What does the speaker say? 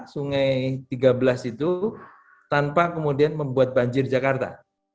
sungai tiga belas itu tanpa kemudian membuat banjir jakarta